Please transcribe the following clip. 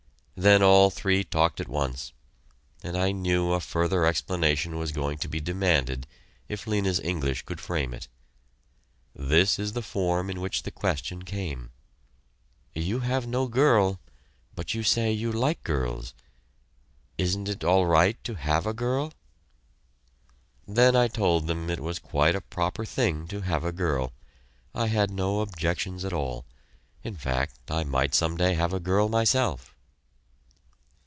Then all three talked at once, and I knew a further explanation was going to be demanded if Lena's English could frame it. This is the form in which the question came: "You have no girl, but you say you like girls; isn't it all right to have a girl?" Then I told them it was quite a proper thing to have a girl; I had no objections at all; in fact, I might some day have a girl myself.